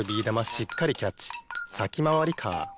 しっかりキャッチ先まわりカー。